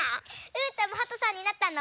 うーたんもはとさんになったの？